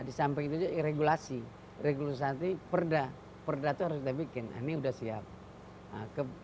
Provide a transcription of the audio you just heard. di samping itu juga regulasi regulasi perda perda itu harus kita bikin ini sudah siap